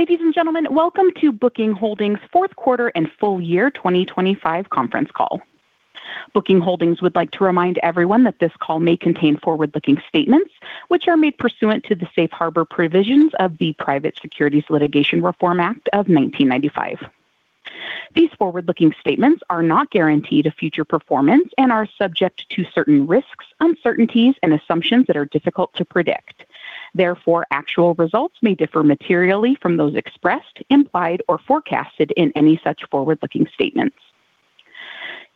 Ladies and gentlemen, welcome to Booking Holdings' fourth quarter and full-year 2025 conference call. Booking Holdings would like to remind everyone that this call may contain forward-looking statements, which are made pursuant to the Safe Harbor provisions of the Private Securities Litigation Reform Act of 1995. These forward-looking statements are not guaranteed of future performance and are subject to certain risks, uncertainties, and assumptions that are difficult to predict. Therefore, actual results may differ materially from those expressed, implied, or forecasted in any such forward-looking statements.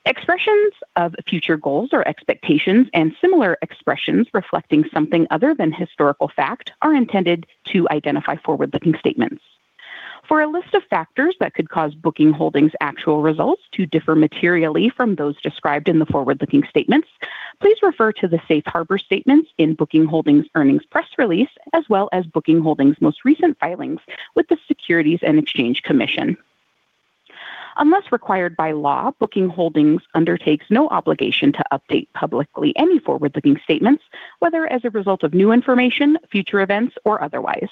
Expressions of future goals or expectations and similar expressions reflecting something other than historical fact are intended to identify forward-looking statements. For a list of factors that could cause Booking Holdings' actual results to differ materially from those described in the forward-looking statements, please refer to the Safe Harbor statements in Booking Holdings' earnings press release, as well as Booking Holdings' most recent filings with the Securities and Exchange Commission. Unless required by law, Booking Holdings undertakes no obligation to update publicly any forward-looking statements, whether as a result of new information, future events, or otherwise.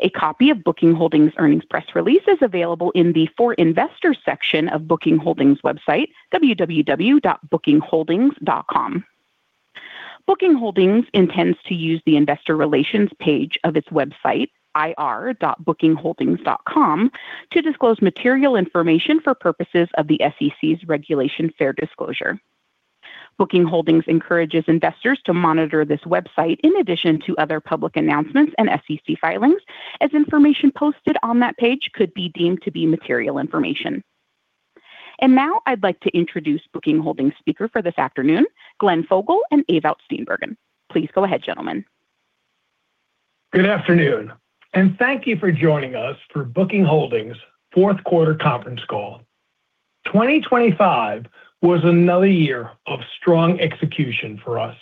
A copy of Booking Holdings' earnings press release is available in the For Investors section of Booking Holdings' website, www.bookingholdings.com. Booking Holdings intends to use the investor relations page of its website, ir.bookingholdings.com, to disclose material information for purposes of the SEC's Regulation Fair Disclosure. Booking Holdings encourages investors to monitor this website in addition to other public announcements and SEC filings, as information posted on that page could be deemed to be material information. Now I'd like to introduce Booking Holdings' speaker for this afternoon, Glenn Fogel and Ewout Steenbergen. Please go ahead, gentlemen. Good afternoon, and thank you for joining us for Booking Holdings' fourth quarter conference call. 2025 was another year of strong execution for us.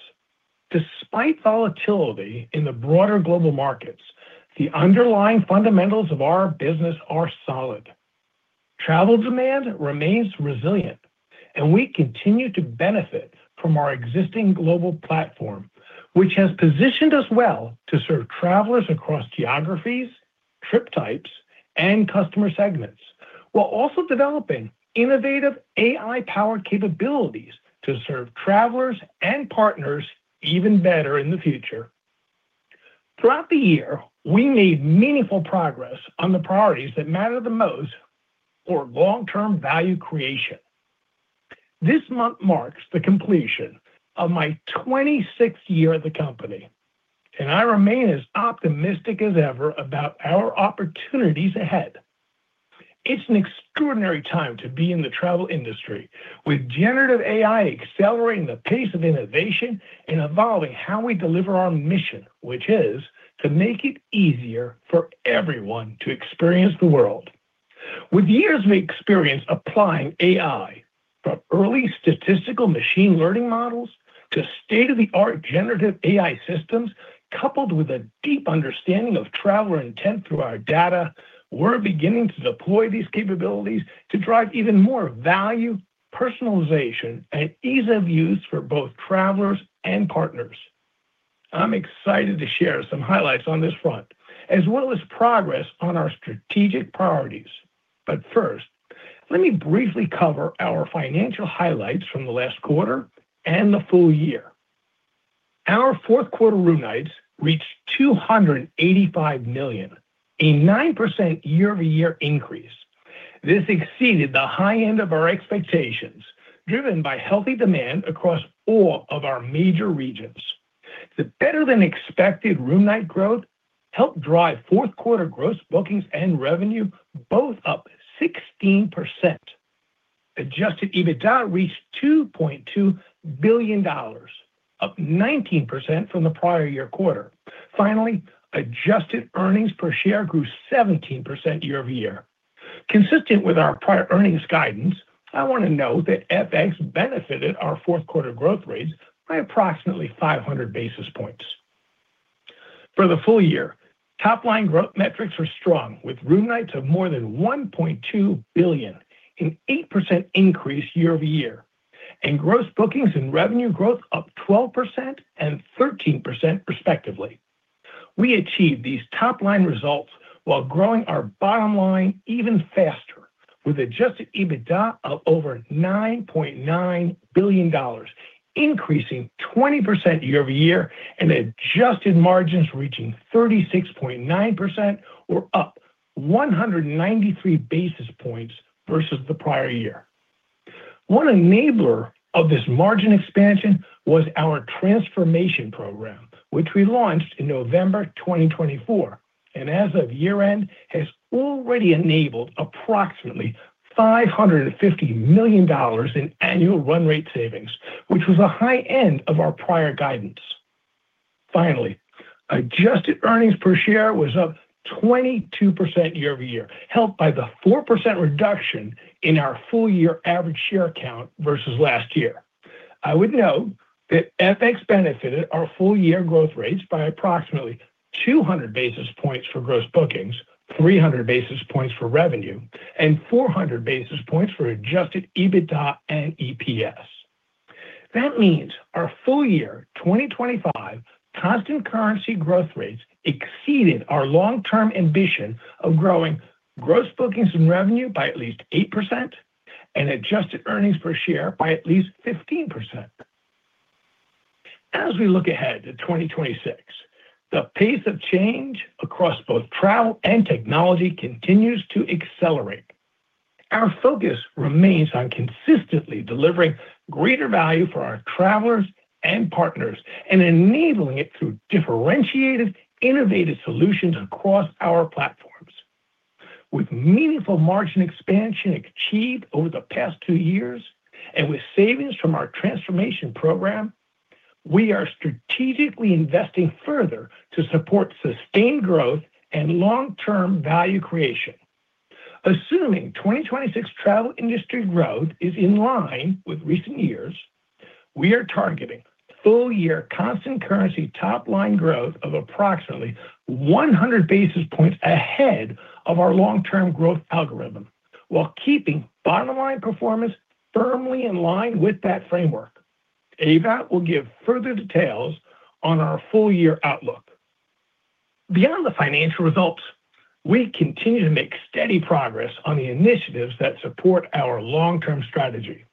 Despite volatility in the broader global markets, the underlying fundamentals of our business are solid. Travel demand remains resilient, and we continue to benefit from our existing global platform, which has positioned us well to serve travelers across geographies, trip types, and customer segments, while also developing innovative AI-powered capabilities to serve travelers and partners even better in the future. Throughout the year, we made meaningful progress on the priorities that matter the most for long-term value creation. This month marks the completion of my 26th year at the company, and I remain as optimistic as ever about our opportunities ahead. It's an extraordinary time to be in the travel industry, with generative AI accelerating the pace of innovation and evolving how we deliver our mission, which is to make it easier for everyone to experience the world. With years of experience applying AI, from early statistical machine learning models to state-of-the-art generative AI systems, coupled with a deep understanding of traveler intent through our data, we're beginning to deploy these capabilities to drive even more value, personalization, and ease of use for both travelers and partners. I'm excited to share some highlights on this front, as well as progress on our strategic priorities. But first, let me briefly cover our financial highlights from the last quarter and the full-year. Our fourth quarter room nights reached 285 million, a 9% year-over-year increase. This exceeded the high end of our expectations, driven by healthy demand across all of our major regions. The better-than-expected room night growth helped drive fourth quarter gross bookings and revenue, both up 16%. Adjusted EBITDA reached $2.2 billion, up 19% from the prior year quarter. Finally, adjusted earnings per share grew 17% year-over-year. Consistent with our prior earnings guidance, I want to note that FX benefited our fourth quarter growth rates by approximately 500 basis points. For the full-year, top-line growth metrics were strong, with room nights of more than 1.2 billion, an 8% increase year-over-year, and gross bookings and revenue growth up 12% and 13% respectively. We achieved these top-line results while growing our bottom line even faster, with adjusted EBITDA of over $9.9 billion, increasing 20% year-over-year, and adjusted margins reaching 36.9% or up 193 basis points versus the prior year. One enabler of this margin expansion was our transformation program, which we launched in November 2024, and as of year-end, has already enabled approximately $550 million in annual run rate savings, which was the high end of our prior guidance. Finally, adjusted earnings per share was up 22% year-over-year, helped by the 4% reduction in our full-year average share count versus last year. I would note that FX benefited our full-year growth rates by approximately 200 basis points for gross bookings, 300 basis points for revenue, and 400 basis points for adjusted EBITDA and EPS. That means our full-year 2025 constant currency growth rates exceeded our long-term ambition of growing gross bookings and revenue by at least 8% and adjusted earnings per share by at least 15%. As we look ahead to 2026, the pace of change across both travel and technology continues to accelerate. Our focus remains on consistently delivering greater value for our travelers and partners and enabling it through differentiated, innovative solutions across our platforms. With meaningful margin expansion achieved over the past two years, and with savings from our transformation program, we are strategically investing further to support sustained growth and long-term value creation. Assuming 2026 travel industry growth is in line with recent years, we are targeting full-year constant currency top-line growth of approximately 100 basis points ahead of our long-term growth algorithm, while keeping bottom-line performance firmly in line with that framework. Ewout will give further details on our full-year outlook. Beyond the financial results, we continue to make steady progress on the initiatives that support our long-term strategy.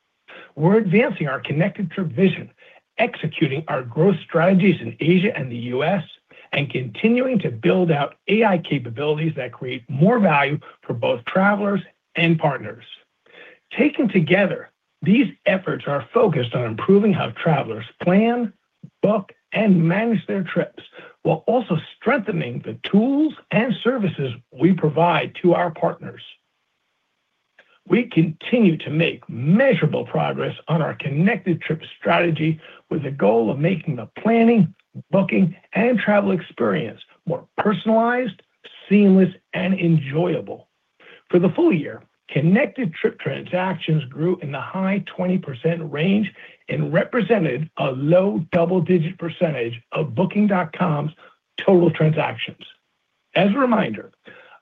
We're advancing our Connected Trip vision, executing our growth strategies in Asia and the U.S., and continuing to build out AI capabilities that create more value for both travelers and partners. Taken together, these efforts are focused on improving how travelers plan, book, and manage their trips, while also strengthening the tools and services we provide to our partners. We continue to make measurable progress on our Connected Trip strategy with the goal of making the planning, booking, and travel experience more personalized, seamless, and enjoyable. For the full-year, Connected Trip transactions grew in the high 20% range and represented a low double-digit percentage of Booking.com's total transactions. As a reminder,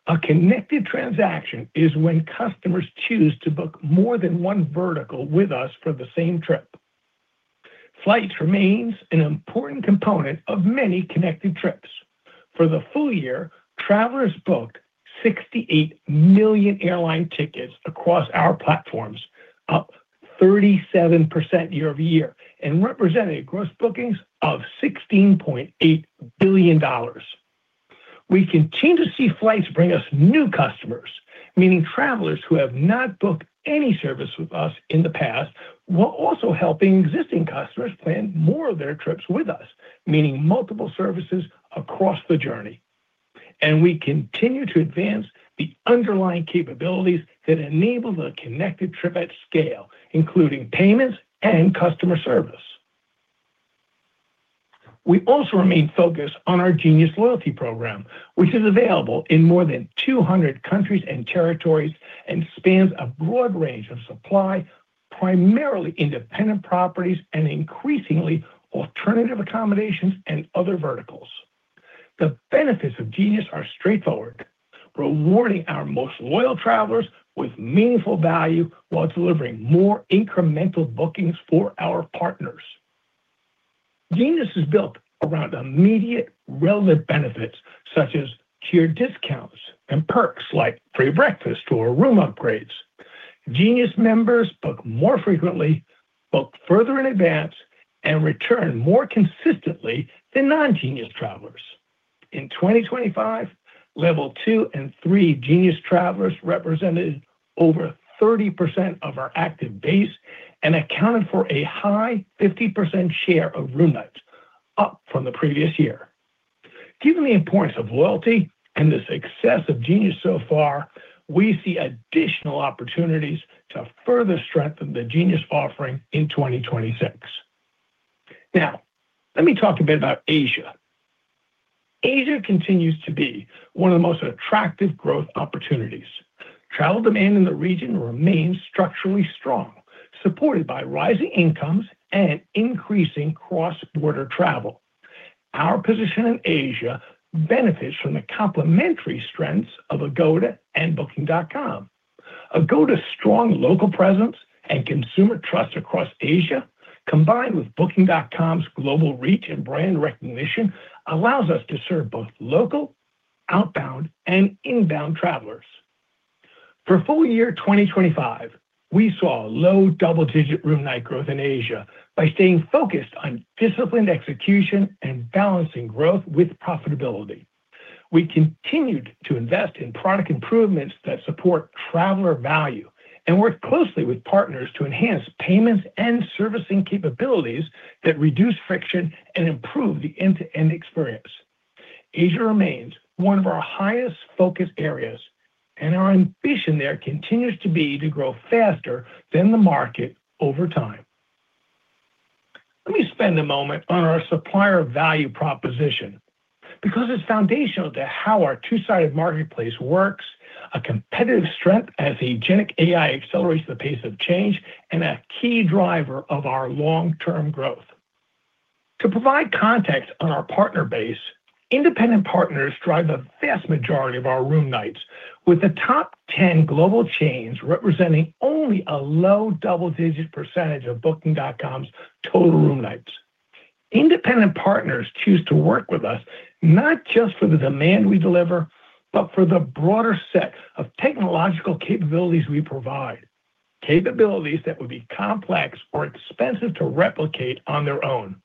a connected transaction is when customers choose to book more than one vertical with us for the same trip. Flights remains an important component of many Connected Trips. For the full-year, travelers booked 68 million airline tickets across our platforms, up 37% year-over-year, and representing gross bookings of $16.8 billion. We continue to see flights bring us new customers, meaning travelers who have not booked any service with us in the past, while also helping existing customers plan more of their trips with us, meaning multiple services across the journey. We continue to advance the underlying capabilities that enable the Connected Trip at scale, including payments and customer service. We also remain focused on our Genius loyalty program, which is available in more than 200 countries and territories and spans a broad range of supply, primarily independent properties and increasingly alternative accommodations and other verticals. The benefits of Genius are straightforward: rewarding our most loyal travelers with meaningful value while delivering more incremental bookings for our partners. Genius is built around immediate, relevant benefits, such as tiered discounts and perks like free breakfast or room upgrades. Genius members book more frequently, book further in advance, and return more consistently than non-Genius travelers. In 2025, level 2 and 3 Genius travelers represented over 30% of our active base and accounted for a high 50% share of room nights, up from the previous year. Given the importance of loyalty and the success of Genius so far, we see additional opportunities to further strengthen the Genius offering in 2026. Now, let me talk a bit about Asia. Asia continues to be one of the most attractive growth opportunities. Travel demand in the region remains structurally strong, supported by rising incomes and increasing cross-border travel. Our position in Asia benefits from the complementary strengths of Agoda and Booking.com. Agoda's strong local presence and consumer trust across Asia, combined with Booking.com's global reach and brand recognition, allows us to serve both local, outbound, and inbound travelers. For full-year 2025, we saw a low double-digit room night growth in Asia by staying focused on disciplined execution and balancing growth with profitability. We continued to invest in product improvements that support traveler value and work closely with partners to enhance payments and servicing capabilities that reduce friction and improve the end-to-end experience. Asia remains one of our highest focus areas, and our ambition there continues to be to grow faster than the market over time. Let me spend a moment on our supplier value proposition because it's foundational to how our two-sided marketplace works, a competitive strength as agentic AI accelerates the pace of change and a key driver of our long-term growth.... To provide context on our partner base, independent partners drive the vast majority of our room nights, with the top 10 global chains representing only a low double-digit percentage of Booking.com's total room nights. Independent partners choose to work with us not just for the demand we deliver, but for the broader set of technological capabilities we provide, capabilities that would be complex or expensive to replicate on their own.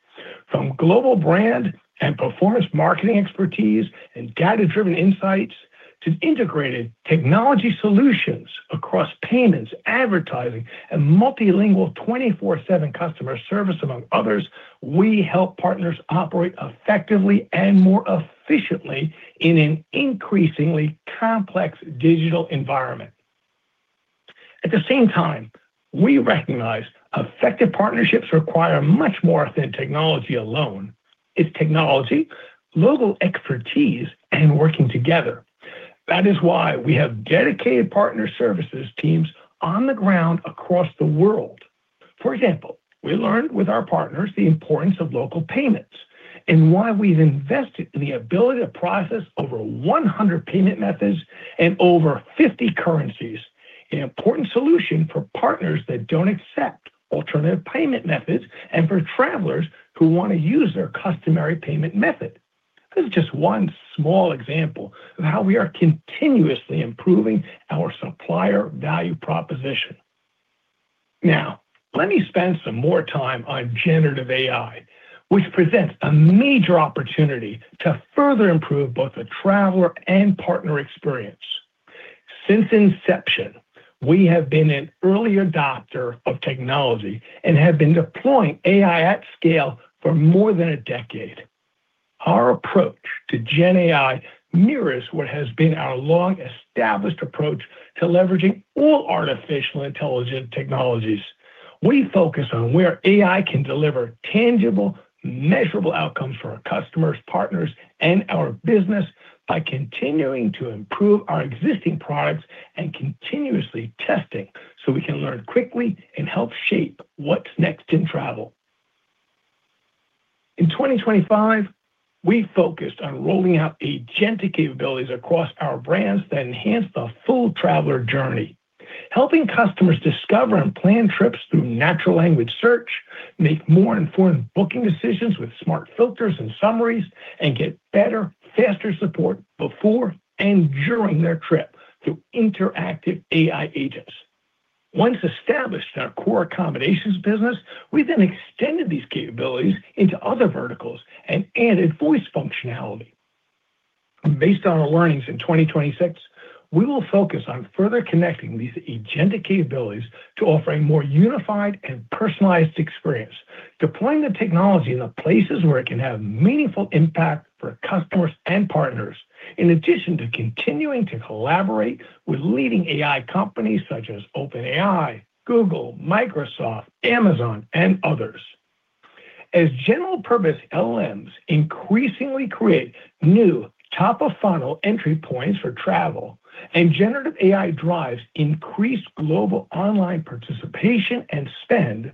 From global brand and performance marketing expertise and data-driven insights, to integrated technology solutions across payments, advertising, and multilingual 24/7 customer service, among others, we help partners operate effectively and more efficiently in an increasingly complex digital environment. At the same time, we recognize effective partnerships require much more than technology alone. It's technology, local expertise, and working together. That is why we have dedicated partner services teams on the ground across the world. For example, we learned with our partners the importance of local payments and why we've invested in the ability to process over 100 payment methods and over 50 currencies, an important solution for partners that don't accept alternative payment methods and for travelers who want to use their customary payment method. This is just one small example of how we are continuously improving our supplier value proposition. Now, let me spend some more time on generative AI, which presents a major opportunity to further improve both the traveler and partner experience. Since inception, we have been an early adopter of technology and have been deploying AI at scale for more than a decade. Our approach to GenAI mirrors what has been our long-established approach to leveraging all artificial intelligence technologies. We focus on where AI can deliver tangible, measurable outcomes for our customers, partners, and our business by continuing to improve our existing products and continuously testing, so we can learn quickly and help shape what's next in travel. In 2025, we focused on rolling out agentic capabilities across our brands that enhance the full traveler journey, helping customers discover and plan trips through natural language search, make more informed booking decisions with smart filters and summaries, and get better, faster support before and during their trip through interactive AI agents. Once established in our core accommodations business, we then extended these capabilities into other verticals and added voice functionality. Based on our learnings in 2026, we will focus on further connecting these agentic capabilities to offer a more unified and personalized experience, deploying the technology in the places where it can have meaningful impact for customers and partners. In addition to continuing to collaborate with leading AI companies such as OpenAI, Google, Microsoft, Amazon, and others. As general-purpose LLMs increasingly create new top-of-funnel entry points for travel, and generative AI drives increased global online participation and spend,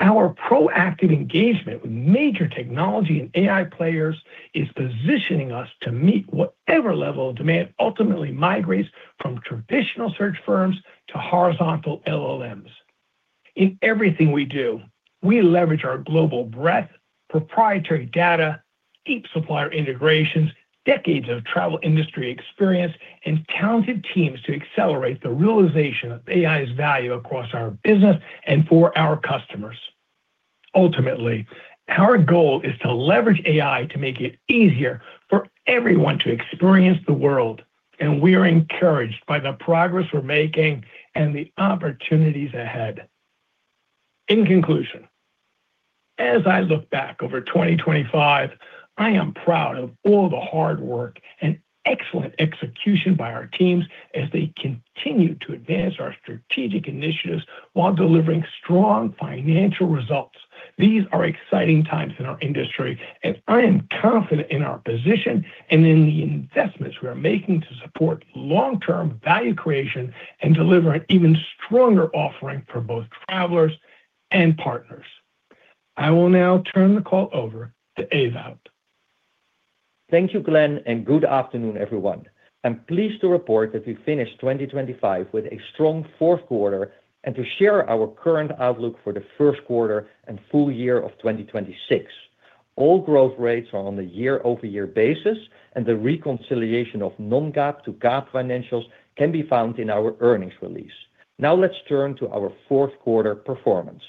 our proactive engagement with major technology and AI players is positioning us to meet whatever level of demand ultimately migrates from traditional search firms to horizontal LLMs. In everything we do, we leverage our global breadth, proprietary data, deep supplier integrations, decades of travel industry experience, and talented teams to accelerate the realization of AI's value across our business and for our customers. Ultimately, our goal is to leverage AI to make it easier for everyone to experience the world, and we are encouraged by the progress we're making and the opportunities ahead. In conclusion, as I look back over 2025, I am proud of all the hard work and excellent execution by our teams as they continue to advance our strategic initiatives while delivering strong financial results. These are exciting times in our industry, and I am confident in our position and in the investments we are making to support long-term value creation and deliver an even stronger offering for both travelers and partners. I will now turn the call over to Ewout. Thank you, Glenn, and good afternoon, everyone. I'm pleased to report that we finished 2025 with a strong fourth quarter and to share our current outlook for the first quarter and full-year of 2026. All growth rates are on a year-over-year basis, and the reconciliation of non-GAAP to GAAP financials can be found in our earnings release. Now, let's turn to our fourth quarter performance.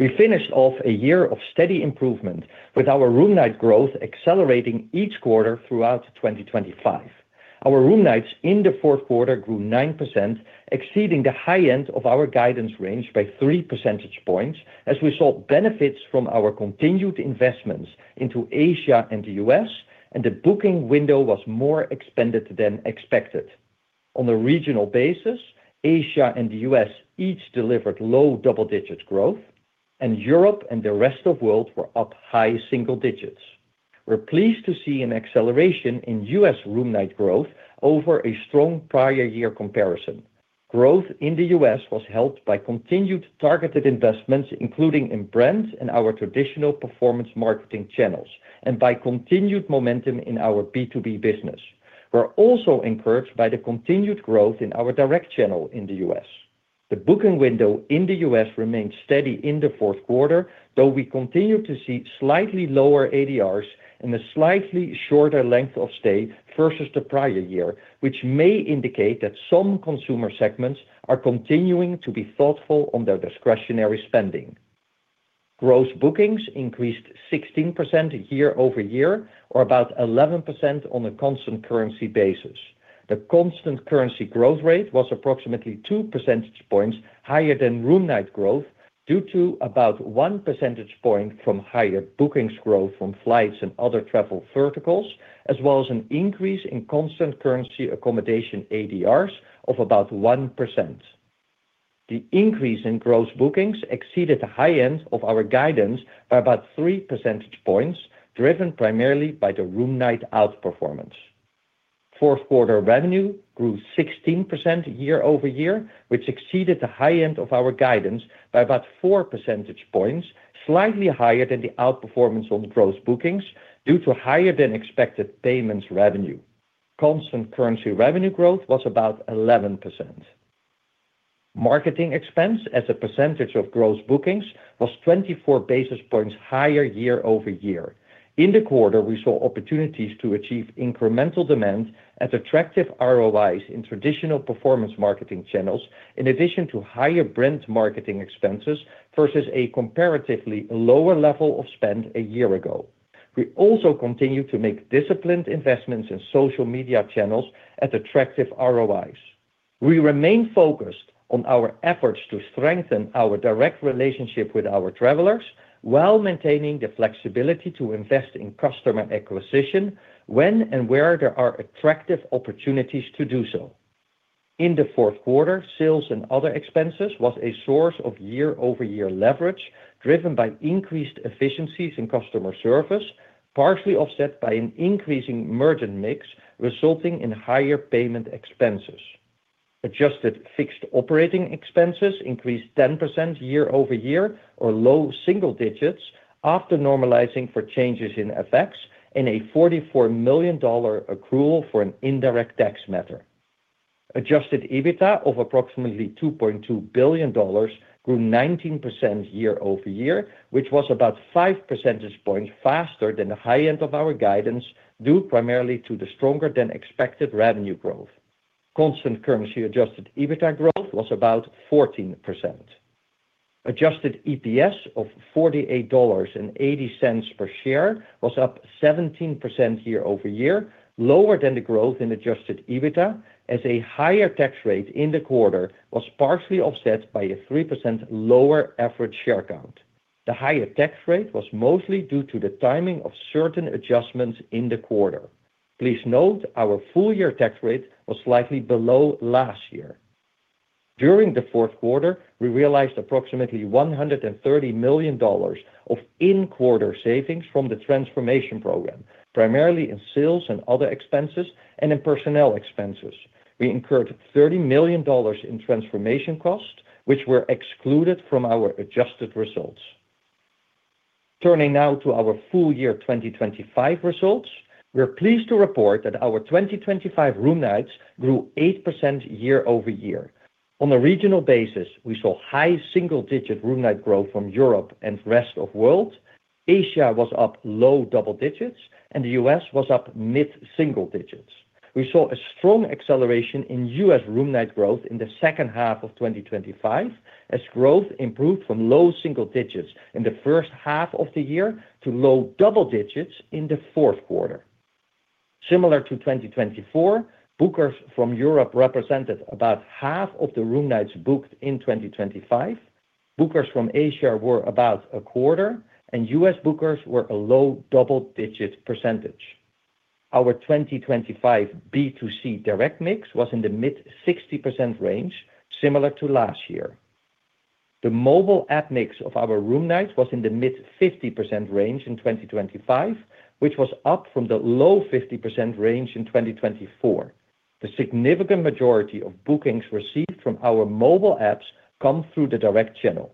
We finished off a year of steady improvement, with our room night growth accelerating each quarter throughout 2025. Our room nights in the fourth quarter grew 9%, exceeding the high end of our guidance range by three percentage points, as we saw benefits from our continued investments into Asia and the U.S., and the booking window was more expanded than expected. On a regional basis, Asia and the U.S. each delivered low double-digit growth, and Europe and the rest of world were up high single digits. We're pleased to see an acceleration in U.S. room night growth over a strong prior year comparison. Growth in the U.S. was helped by continued targeted investments, including in brand and our traditional performance marketing channels, and by continued momentum in our B2B business. We're also encouraged by the continued growth in our direct channel in the U.S. The booking window in the U.S. remains steady in the fourth quarter, though we continue to see slightly lower ADRs and a slightly shorter length of stay versus the prior year, which may indicate that some consumer segments are continuing to be thoughtful on their discretionary spending. Gross bookings increased 16% year-over-year, or about 11% on a constant currency basis. The constant currency growth rate was approximately 2 percentage points higher than room night growth, due to about 1 percentage point from higher bookings growth from flights and other travel verticals, as well as an increase in constant currency accommodation ADRs of about 1%. The increase in gross bookings exceeded the high end of our guidance by about 3 percentage points, driven primarily by the room night outperformance. Fourth quarter revenue grew 16% year-over-year, which exceeded the high end of our guidance by about 4 percentage points, slightly higher than the outperformance on gross bookings due to higher-than-expected payments revenue. Constant currency revenue growth was about 11%. Marketing expense as a percentage of gross bookings was 24 basis points higher year-over-year. In the quarter, we saw opportunities to achieve incremental demand at attractive ROIs in traditional performance marketing channels, in addition to higher brand marketing expenses versus a comparatively lower level of spend a year ago. We also continue to make disciplined investments in social media channels at attractive ROIs. We remain focused on our efforts to strengthen our direct relationship with our travelers, while maintaining the flexibility to invest in customer acquisition when and where there are attractive opportunities to do so. In the fourth quarter, sales and other expenses was a source of year-over-year leverage, driven by increased efficiencies in customer service, partially offset by an increasing merchant mix, resulting in higher payment expenses. Adjusted fixed operating expenses increased 10% year-over-year or low single digits after normalizing for changes in FX in a $44 million accrual for an indirect tax matter. Adjusted EBITDA of approximately $2.2 billion grew 19% year-over-year, which was about 5 percentage points faster than the high end of our guidance, due primarily to the stronger-than-expected revenue growth. Constant currency adjusted EBITDA growth was about 14%. Adjusted EPS of $48.80 per share was up 17% year-over-year, lower than the growth in adjusted EBITDA, as a higher tax rate in the quarter was partially offset by a 3% lower average share count. The higher tax rate was mostly due to the timing of certain adjustments in the quarter. Please note, our full-year tax rate was slightly below last year. During the fourth quarter, we realized approximately $130 million of in-quarter savings from the transformation program, primarily in sales and other expenses and in personnel expenses. We incurred $30 million in transformation costs, which were excluded from our adjusted results. Turning now to our full-year 2025 results. We are pleased to report that our 2025 room nights grew 8% year-over-year. On a regional basis, we saw high single-digit room night growth from Europe and rest of world. Asia was up low double digits, and the U.S. was up mid single digits. We saw a strong acceleration in U.S. room night growth in the second half of 2025, as growth improved from low single digits in the first half of the year to low double digits in the fourth quarter. Similar to 2024, bookers from Europe represented about half of the room nights booked in 2025. Bookers from Asia were about a quarter, and U.S. bookers were a low double-digit percentage. Our 2025 B2C direct mix was in the mid-60% range, similar to last year. The mobile app mix of our room nights was in the mid-50% range in 2025, which was up from the low-50% range in 2024. The significant majority of bookings received from our mobile apps come through the direct channel.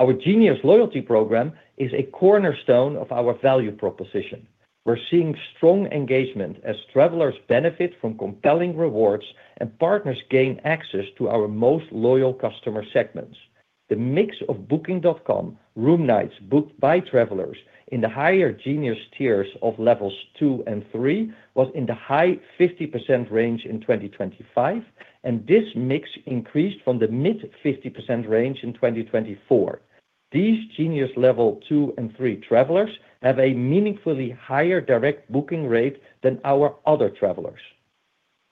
Our Genius loyalty program is a cornerstone of our value proposition. We're seeing strong engagement as travelers benefit from compelling rewards and partners gain access to our most loyal customer segments. The mix of Booking.com room nights booked by travelers in the higher Genius tiers of levels 2 and 3 was in the high-50% range in 2025, and this mix increased from the mid-50% range in 2024. These Genius level 2 and 3 travelers have a meaningfully higher direct booking rate than our other travelers.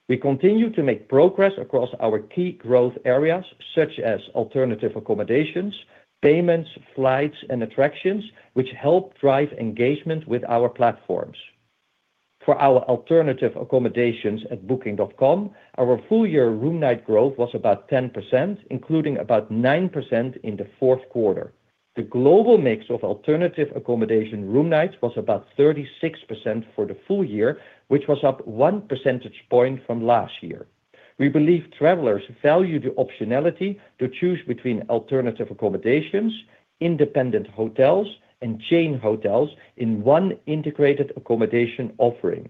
We continue to make progress across our key growth areas, such as alternative accommodations, payments, flights, and attractions, which help drive engagement with our platforms. For our alternative accommodations at Booking.com, our full-year room night growth was about 10%, including about 9% in the fourth quarter. The global mix of alternative accommodation room nights was about 36% for the full-year, which was up one percentage point from last year. We believe travelers value the optionality to choose between alternative accommodations, independent hotels, and chain hotels in one integrated accommodation offering.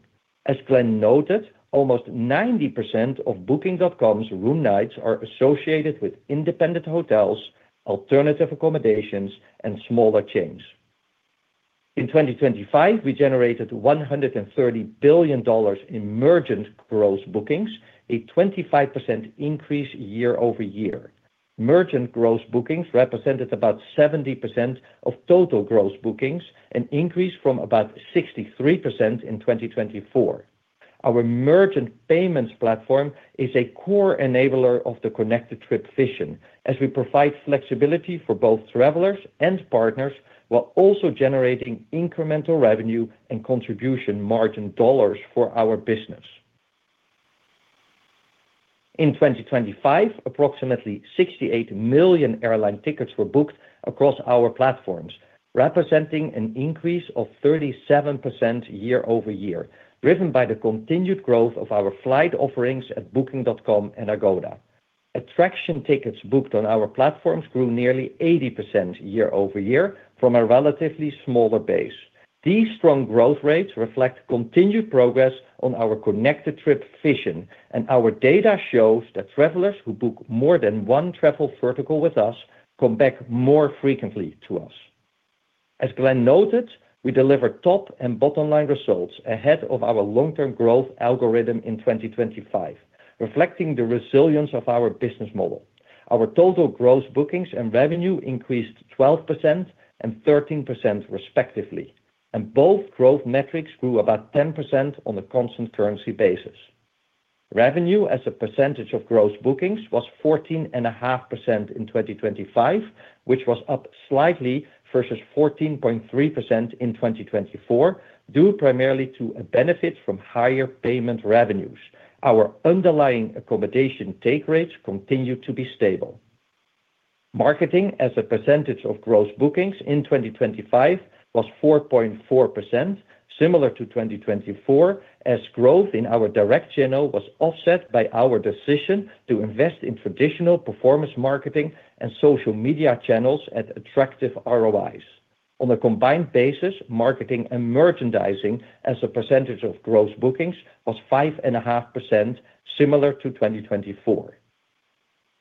As Glenn noted, almost 90% of Booking.com's room nights are associated with independent hotels, alternative accommodations, and smaller chains. In 2025, we generated $130 billion in merchant gross bookings, a 25% increase year-over-year. Merchant gross bookings represented about 70% of total gross bookings, an increase from about 63% in 2024. Our merchant payments platform is a core enabler of the Connected Trip vision, as we provide flexibility for both travelers and partners, while also generating incremental revenue and contribution margin dollars for our business. In 2025, approximately 68 million airline tickets were booked across our platforms, representing an increase of 37% year-over-year, driven by the continued growth of our flight offerings at Booking.com and Agoda. Attraction tickets booked on our platforms grew nearly 80% year-over-year from a relatively smaller base. These strong growth rates reflect continued progress on our Connected Trip vision, and our data shows that travelers who book more than one travel vertical with us come back more frequently to us. As Glenn noted, we delivered top and bottom line results ahead of our long-term growth algorithm in 2025, reflecting the resilience of our business model. Our total gross bookings and revenue increased 12% and 13%, respectively, and both growth metrics grew about 10% on a constant currency basis. Revenue as a percentage of gross bookings was 14.5% in 2025, which was up slightly versus 14.3% in 2024, due primarily to a benefit from higher payment revenues. Our underlying accommodation take rates continued to be stable. Marketing as a percentage of gross bookings in 2025 was 4.4%, similar to 2024, as growth in our direct channel was offset by our decision to invest in traditional performance marketing and social media channels at attractive ROIs. On a combined basis, marketing and merchandising as a percentage of gross bookings was 5.5%, similar to 2024.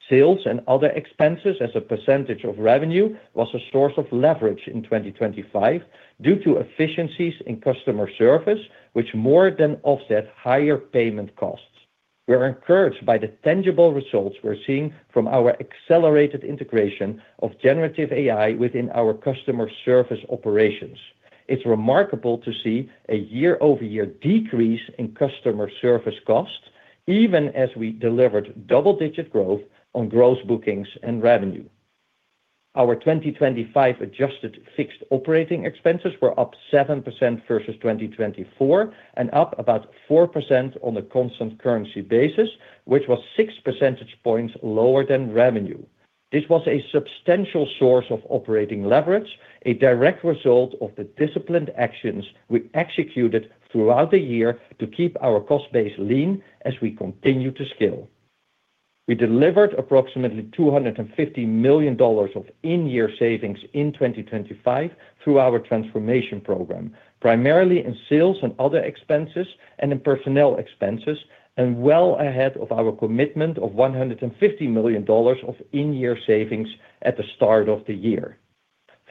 Sales and other expenses as a percentage of revenue was a source of leverage in 2025 due to efficiencies in customer service, which more than offset higher payment costs. We are encouraged by the tangible results we're seeing from our accelerated integration of generative AI within our customer service operations. It's remarkable to see a year-over-year decrease in customer service costs, even as we delivered double-digit growth on gross bookings and revenue. Our 2025 adjusted fixed operating expenses were up 7% versus 2024, and up about 4% on a constant currency basis, which was six percentage points lower than revenue. This was a substantial source of operating leverage, a direct result of the disciplined actions we executed throughout the year to keep our cost base lean as we continue to scale. We delivered approximately $250 million of in-year savings in 2025 through our transformation program, primarily in sales and other expenses and in personnel expenses, and well ahead of our commitment of $150 million of in-year savings at the start of the year.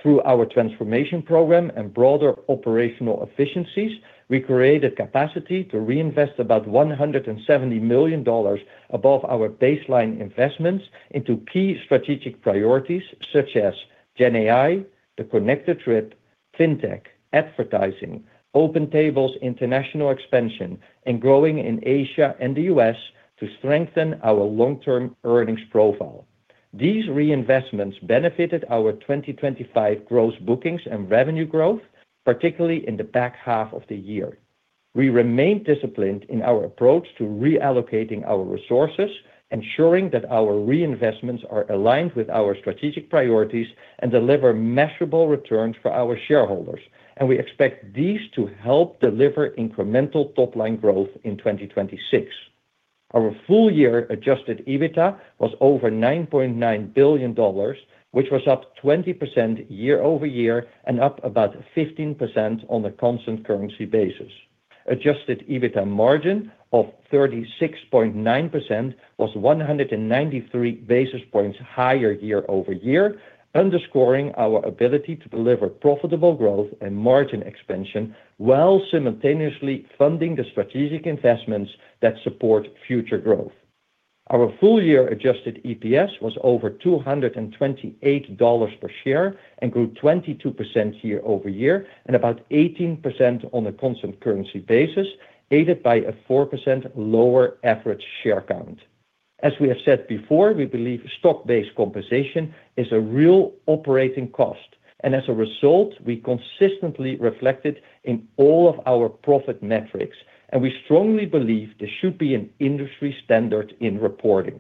Through our transformation program and broader operational efficiencies, we created capacity to reinvest about $170 million above our baseline investments into key strategic priorities such as GenAI, the Connected Trip, Fintech, advertising, OpenTable's international expansion, and growing in Asia and the U.S. to strengthen our long-term earnings profile. These reinvestments benefited our 2025 gross bookings and revenue growth, particularly in the back half of the year. We remain disciplined in our approach to reallocating our resources, ensuring that our reinvestments are aligned with our strategic priorities and deliver measurable returns for our shareholders, and we expect these to help deliver incremental top-line growth in 2026. Our full-year adjusted EBITDA was over $9.9 billion, which was up 20% year-over-year and up about 15% on a constant currency basis. Adjusted EBITDA margin of 36.9% was 193 basis points higher year-over-year, underscoring our ability to deliver profitable growth and margin expansion while simultaneously funding the strategic investments that support future growth. Our full-year adjusted EPS was over $228 per share and grew 22% year-over-year and about 18% on a constant currency basis, aided by a 4% lower average share count. As we have said before, we believe stock-based compensation is a real operating cost, and as a result, we consistently reflect it in all of our profit metrics, and we strongly believe this should be an industry standard in reporting.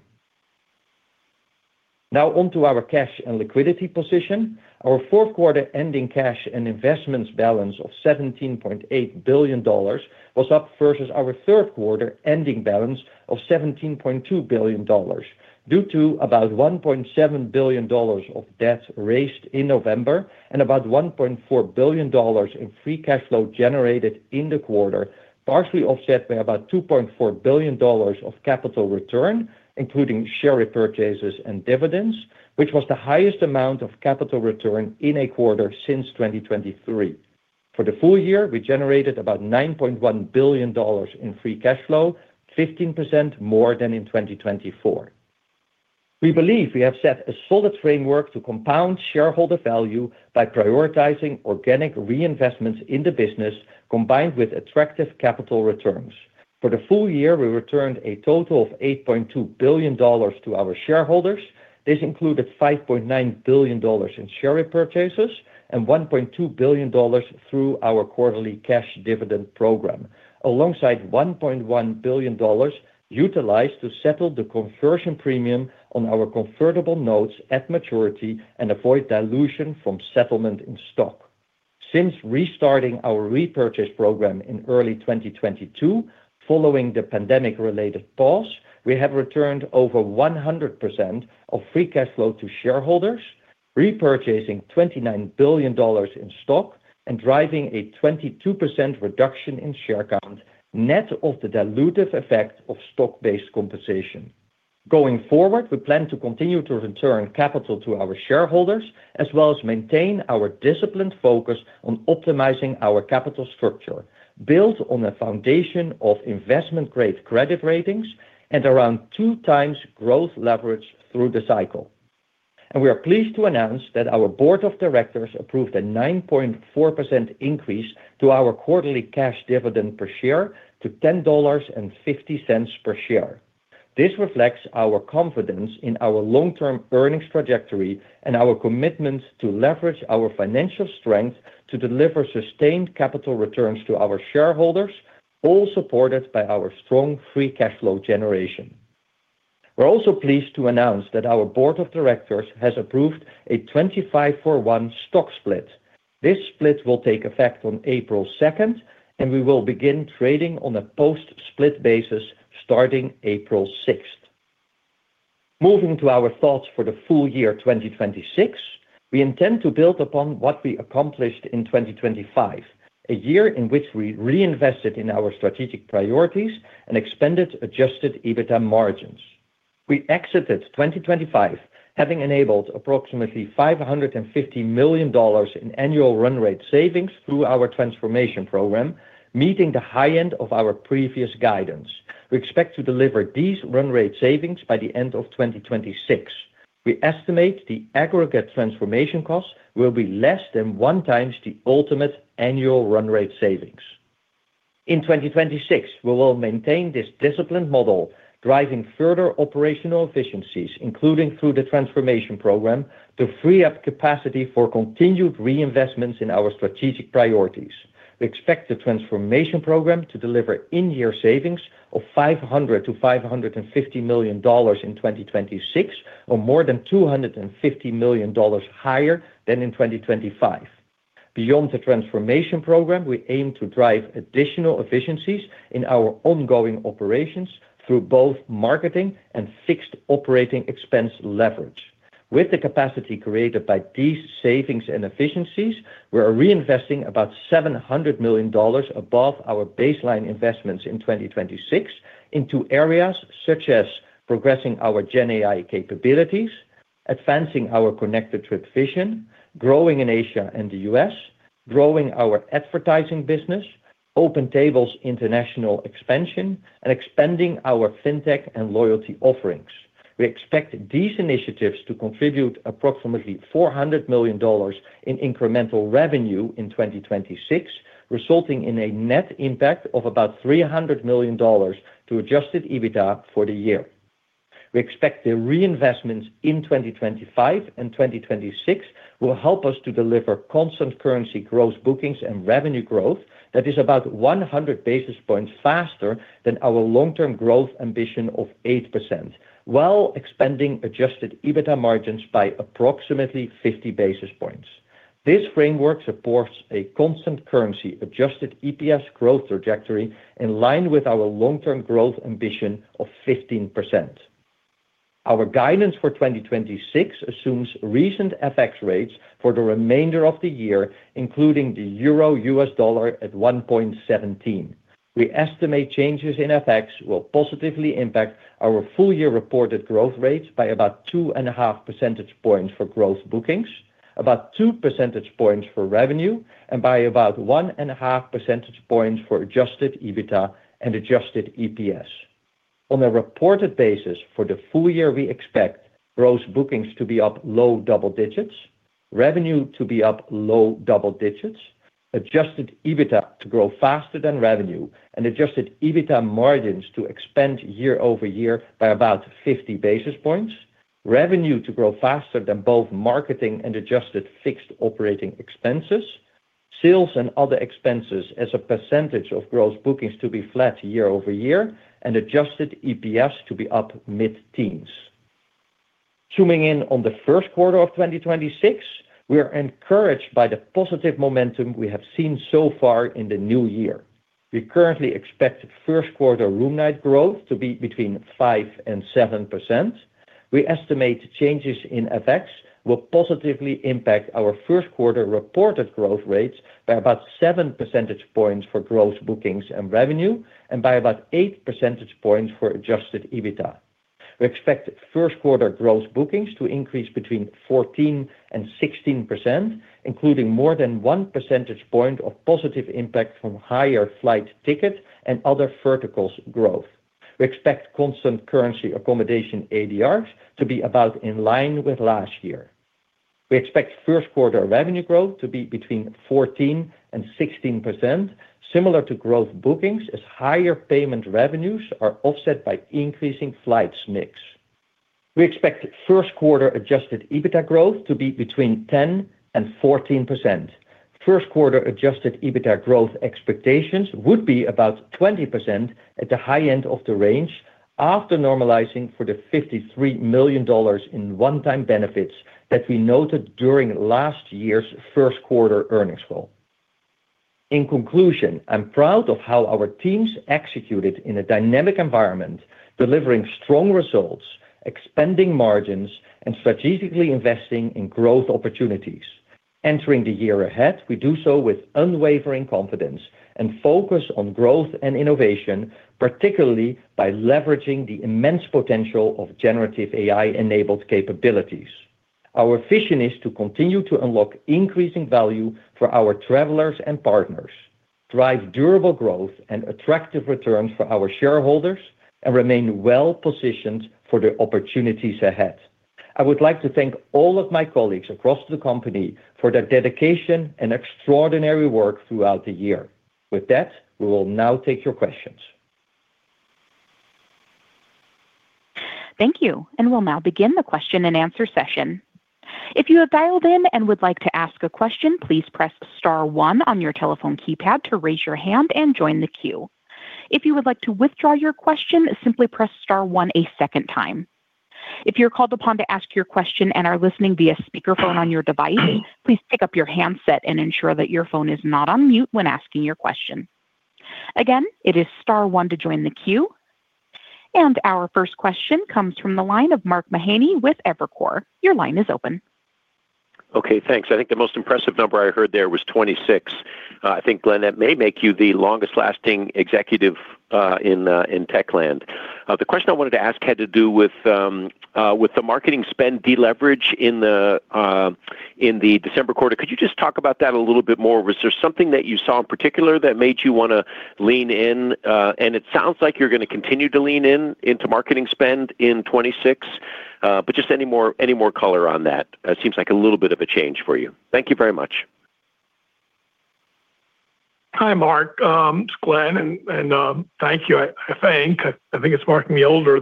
Now on to our cash and liquidity position. Our fourth quarter ending cash and investments balance of $17.8 billion was up versus our third quarter ending balance of $17.2 billion, due to about $1.7 billion of debt raised in November and about $1.4 billion in free cash flow generated in the quarter, partially offset by about $2.4 billion of capital return, including share repurchases and dividends, which was the highest amount of capital return in a quarter since 2023. For the full-year, we generated about $9.1 billion in free cash flow, 15% more than in 2024. We believe we have set a solid framework to compound shareholder value by prioritizing organic reinvestments in the business, combined with attractive capital returns. For the full-year, we returned a total of $8.2 billion to our shareholders. This included $5.9 billion in share repurchases and $1.2 billion through our quarterly cash dividend program, alongside $1.1 billion utilized to settle the conversion premium on our convertible notes at maturity and avoid dilution from settlement in stock. Since restarting our repurchase program in early 2022, following the pandemic-related pause, we have returned over 100% of free cash flow to shareholders, repurchasing $29 billion in stock and driving a 22% reduction in share count, net of the dilutive effect of stock-based compensation. Going forward, we plan to continue to return capital to our shareholders, as well as maintain our disciplined focus on optimizing our capital structure, built on a foundation of investment-grade credit ratings and around two times growth leverage through the cycle. We are pleased to announce that our Board of Directors approved a 9.4% increase to our quarterly cash dividend per share to $10.50 per share. This reflects our confidence in our long-term earnings trajectory and our commitment to leverage our financial strength to deliver sustained capital returns to our shareholders, all supported by our strong free cash flow generation. We're also pleased to announce that our Board of Directors has approved a 25-for-1 stock split. This split will take effect on April 2nd, and we will begin trading on a post-split basis starting April 6th. Moving to our thoughts for the full-year 2026, we intend to build upon what we accomplished in 2025, a year in which we reinvested in our strategic priorities and expanded adjusted EBITDA margins. We exited 2025, having enabled approximately $550 million in annual run rate savings through our transformation program, meeting the high end of our previous guidance. We expect to deliver these run rate savings by the end of 2026. We estimate the aggregate transformation costs will be less than 1x the ultimate annual run rate savings. In 2026, we will maintain this disciplined model, driving further operational efficiencies, including through the transformation program, to free up capacity for continued reinvestments in our strategic priorities. We expect the transformation program to deliver in-year savings of $500 million-$550 million in 2026, or more than $250 million higher than in 2025. Beyond the transformation program, we aim to drive additional efficiencies in our ongoing operations through both marketing and fixed operating expense leverage. With the capacity created by these savings and efficiencies, we are reinvesting about $700 million above our baseline investments in 2026 into areas such as progressing our GenAI capabilities, advancing our Connected Trip vision, growing in Asia and the U.S., growing our advertising business, OpenTable's international expansion, and expanding our Fintech and loyalty offerings. We expect these initiatives to contribute approximately $400 million in incremental revenue in 2026, resulting in a net impact of about $300 million to adjusted EBITDA for the year. We expect the reinvestments in 2025 and 2026 will help us to deliver constant currency gross bookings and revenue growth that is about 100 basis points faster than our long-term growth ambition of 8%, while expanding adjusted EBITDA margins by approximately 50 basis points. This framework supports a constant currency-adjusted EPS growth trajectory in line with our long-term growth ambition of 15%. Our guidance for 2026 assumes recent FX rates for the remainder of the year, including the Euro-U.S. dollar at 1.17. We estimate changes in FX will positively impact our full-year reported growth rates by about 2.5 percentage points for gross bookings, about 2 percentage points for revenue, and by about 1.5 percentage points for adjusted EBITDA and adjusted EPS. On a reported basis, for the full-year, we expect gross bookings to be up low double digits. Revenue to be up low double digits, Adjusted EBITDA to grow faster than revenue, and Adjusted EBITDA margins to expand year-over-year by about 50 basis points. Revenue to grow faster than both marketing and adjusted fixed operating expenses. Sales and other expenses as a percentage of gross bookings to be flat year-over-year, and Adjusted EPS to be up mid-teens. Zooming in on the first quarter of 2026, we are encouraged by the positive momentum we have seen so far in the new year. We currently expect first quarter room night growth to be between 5% and 7%. We estimate changes in FX will positively impact our first quarter reported growth rates by about 7 percentage points for gross bookings and revenue, and by about 8 percentage points for adjusted EBITDA. We expect first quarter gross bookings to increase between 14% and 16%, including more than 1 percentage point of positive impact from higher flight ticket and other verticals growth. We expect constant currency accommodation ADRs to be about in line with last year. We expect first quarter revenue growth to be between 14% and 16%, similar to gross bookings, as higher payment revenues are offset by increasing flights mix. We expect first quarter adjusted EBITDA growth to be between 10% and 14%. First quarter adjusted EBITDA growth expectations would be about 20% at the high end of the range after normalizing for the $53 million in one-time benefits that we noted during last year's first quarter earnings call. In conclusion, I'm proud of how our teams executed in a dynamic environment, delivering strong results, expanding margins, and strategically investing in growth opportunities. Entering the year ahead, we do so with unwavering confidence and focus on growth and innovation, particularly by leveraging the immense potential of generative AI-enabled capabilities. Our vision is to continue to unlock increasing value for our travelers and partners, drive durable growth and attractive returns for our shareholders, and remain well-positioned for the opportunities ahead. I would like to thank all of my colleagues across the company for their dedication and extraordinary work throughout the year. With that, we will now take your questions. Thank you, and we'll now begin the question-and-answer session. If you have dialed in and would like to ask a question, please press star one on your telephone keypad to raise your hand and join the queue. If you would like to withdraw your question, simply press star one a second time. If you're called upon to ask your question and are listening via speakerphone on your device, please pick up your handset and ensure that your phone is not on mute when asking your question. Again, it is star one to join the queue, and our first question comes from the line of Mark Mahaney with Evercore. Your line is open. Okay, thanks. I think the most impressive number I heard there was 26. I think, Glenn, that may make you the longest lasting executive in tech land. The question I wanted to ask had to do with the marketing spend deleverage in the December quarter. Could you just talk about that a little bit more? Was there something that you saw in particular that made you wanna lean in? And it sounds like you're gonna continue to lean in into marketing spend in 2026. But just any more, any more color on that? It seems like a little bit of a change for you. Thank you very much. Hi, Mark. It's Glenn, and thank you, I think. I think it's marking me older,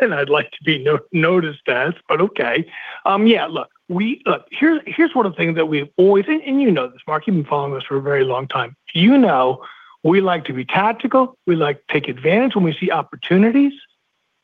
and I'd like to be not noticed as, but okay. Yeah, look, here's one of the things that we've always... And you know this, Mark, you've been following us for a very long time. You know, we like to be tactical. We like to take advantage when we see opportunities.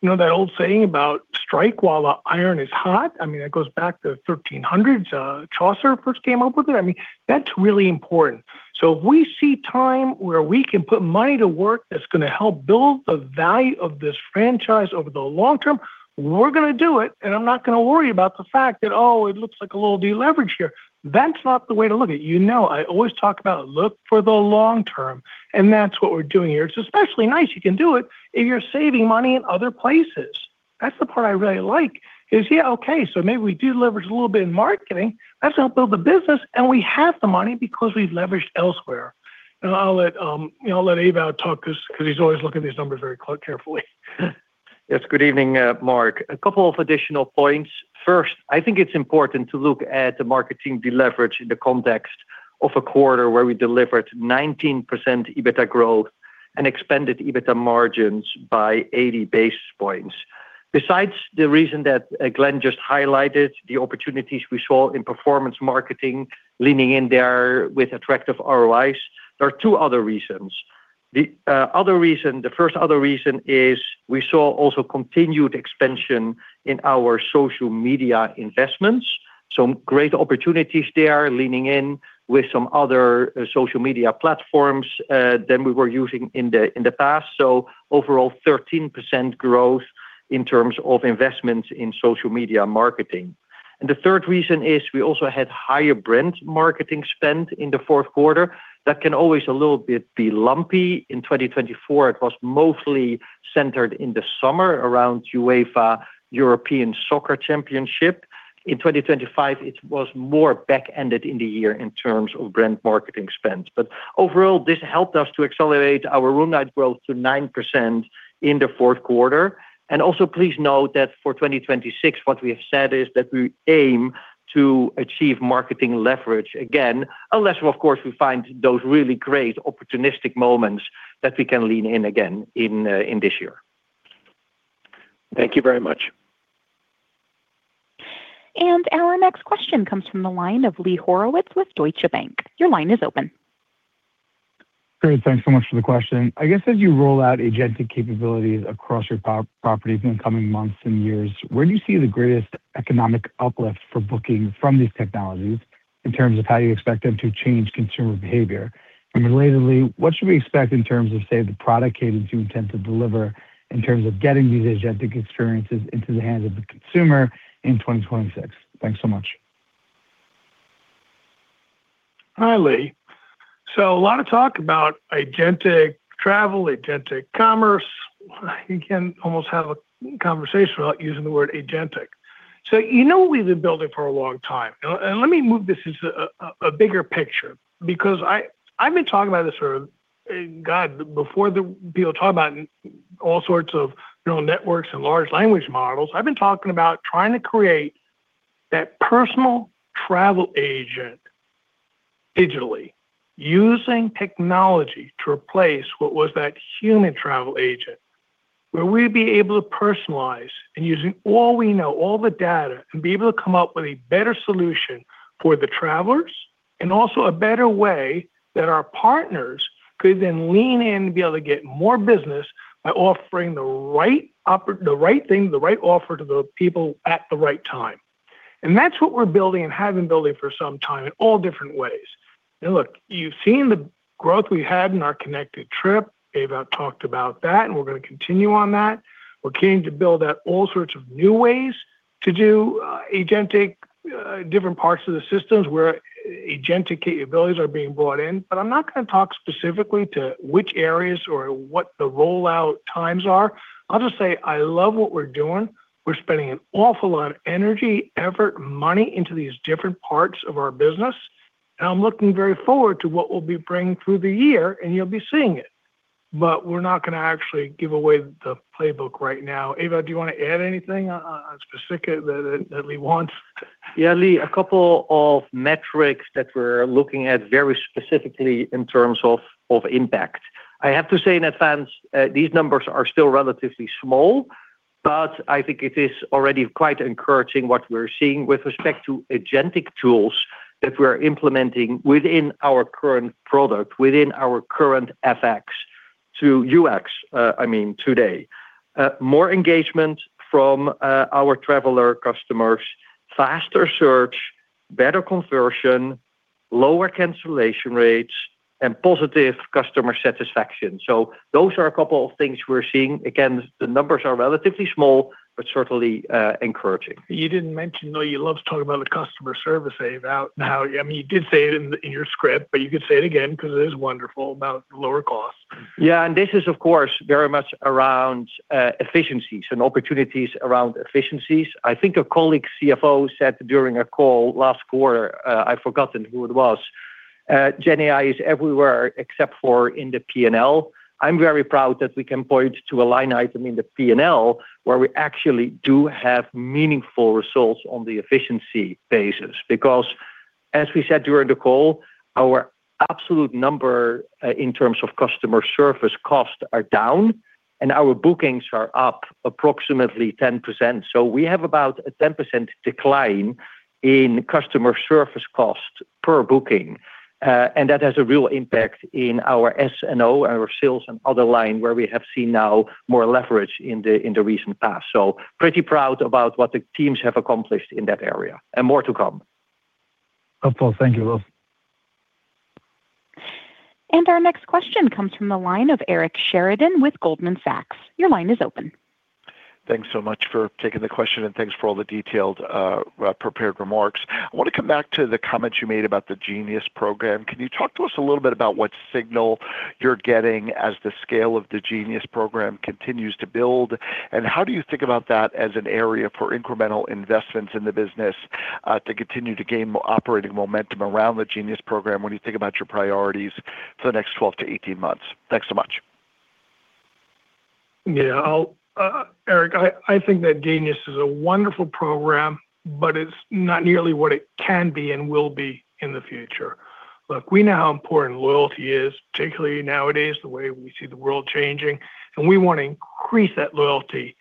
You know, that old saying about strike while the iron is hot? I mean, that goes back to the 1300s. Chaucer first came up with it. I mean, that's really important. So if we see time where we can put money to work, that's gonna help build the value of this franchise over the long term, we're gonna do it, and I'm not gonna worry about the fact that, oh, it looks like a little deleverage here. That's not the way to look at it. You know, I always talk about look for the long term, and that's what we're doing here. It's especially nice you can do it if you're saving money in other places. That's the part I really like, is yeah, okay, so maybe we deleverage a little bit in marketing. That's gonna build the business, and we have the money because we've leveraged elsewhere. And I'll let, you know, I'll let Ewout talk 'cause he's always looking at these numbers very carefully. Yes, good evening, Mark. A couple of additional points. First, I think it's important to look at the marketing deleverage in the context of a quarter where we delivered 19% EBITDA growth and expanded EBITDA margins by 80 basis points. Besides the reason that Glenn just highlighted, the opportunities we saw in performance marketing, leaning in there with attractive ROIs, there are two other reasons. The other reason - the first other reason is we saw also continued expansion in our social media investments. Some great opportunities there, leaning in with some other social media platforms than we were using in the past. So overall, 13% growth in terms of investments in social media marketing. And the third reason is we also had higher brand marketing spend in the fourth quarter. That can always a little bit be lumpy. In 2024, it was mostly centered in the summer around UEFA European Soccer Championship. In 2025, it was more back-ended in the year in terms of brand marketing spend. But overall, this helped us to accelerate our room night growth to 9% in the fourth quarter. And also, please note that for 2026, what we have said is that we aim to achieve marketing leverage again, unless, of course, we find those really great opportunistic moments that we can lean in again in this year. Thank you very much.... And our next question comes from the line of Lee Horowitz with Deutsche Bank. Your line is open. Great, thanks so much for the question. I guess as you roll out agentic capabilities across your properties in the coming months and years, where do you see the greatest economic uplift for booking from these technologies in terms of how you expect them to change consumer behavior? And relatedly, what should we expect in terms of, say, the product cadence you intend to deliver in terms of getting these agentic experiences into the hands of the consumer in 2026? Thanks so much. Hi, Lee. So a lot of talk about agentic travel, agentic commerce. You can almost have a conversation without using the word agentic. So you know we've been building for a long time. And let me move this as a bigger picture because I've been talking about this for God before the people talking about all sorts of, you know, networks and large language models. I've been talking about trying to create that personal travel agent digitally, using technology to replace what was that human travel agent, where we'd be able to personalize and using all we know, all the data, and be able to come up with a better solution for the travelers, and also a better way that our partners could then lean in to be able to get more business by offering the right thing, the right offer to the people at the right time. And that's what we're building and have been building for some time in all different ways. And look, you've seen the growth we had in our Connected Trip. Ewout talked about that, and we're gonna continue on that. We're keen to build out all sorts of new ways to do agentic different parts of the systems where agentic capabilities are being brought in. But I'm not gonna talk specifically to which areas or what the rollout times are. I'll just say I love what we're doing. We're spending an awful lot of energy, effort, money into these different parts of our business, and I'm looking very forward to what we'll be bringing through the year, and you'll be seeing it. But we're not gonna actually give away the playbook right now. Ewout, do you want to add anything specific that Lee wants? Yeah, Lee, a couple of metrics that we're looking at very specifically in terms of, of impact. I have to say in advance, these numbers are still relatively small, but I think it is already quite encouraging what we're seeing with respect to agentic tools that we're implementing within our current product, within our current FX to UX, I mean, today. More engagement from, our traveler customers, faster search, better conversion, lower cancellation rates, and positive customer satisfaction. So those are a couple of things we're seeing. Again, the numbers are relatively small, but certainly, encouraging. You didn't mention, though, you love to talk about the customer service, Ewout, now. I mean, you did say it in your script, but you could say it again because it is wonderful about lower costs. Yeah, and this is, of course, very much around efficiencies and opportunities around efficiencies. I think a colleague CFO said during a call last quarter, I've forgotten who it was, "GenAI is everywhere except for in the P&L." I'm very proud that we can point to a line item in the P&L, where we actually do have meaningful results on the efficiency basis. Because, as we said during the call, our absolute number in terms of customer service costs are down, and our bookings are up approximately 10%. So we have about a 10% decline in customer service cost per booking. And that has a real impact in our S&O, our sales and other line, where we have seen now more leverage in the recent past. Pretty proud about what the teams have accomplished in that area, and more to come. Wonderful. Thank you both. Our next question comes from the line of Eric Sheridan with Goldman Sachs. Your line is open. Thanks so much for taking the question, and thanks for all the detailed, prepared remarks. I want to come back to the comments you made about the Genius program. Can you talk to us a little bit about what signal you're getting as the scale of the Genius program continues to build? And how do you think about that as an area for incremental investments in the business, to continue to gain operating momentum around the Genius program when you think about your priorities for the next 12-18 months? Thanks so much. Yeah. I'll, Eric, I, I think that Genius is a wonderful program, but it's not nearly what it can be and will be in the future. Look, we know how important loyalty is, particularly nowadays, the way we see the world changing, and we want to increase that loyalty.